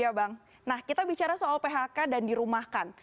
ya bang nah kita bicara soal phk dan dirumahkan